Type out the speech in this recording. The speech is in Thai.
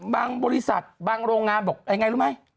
บริษัทบางโรงงานบอกยังไงรู้ไหม